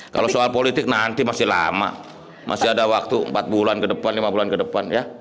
kalau soal politik nanti masih lama masih ada waktu empat bulan ke depan lima bulan ke depan ya